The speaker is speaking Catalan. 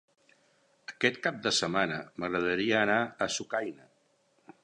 Aquest cap de setmana m'agradaria anar a Sucaina.